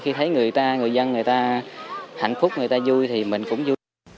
khi thấy người ta người dân người ta hạnh phúc người ta vui thì mình cũng vui